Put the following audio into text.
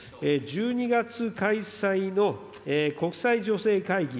１２月開催の国際女性会議ＷＡＷ！